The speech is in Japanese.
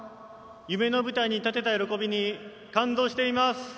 夢の舞台に立てた喜びに感動しています。